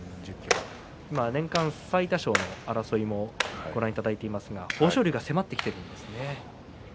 年間最多勝争いもご覧いただいていますが豊昇龍が迫ってきていますよね。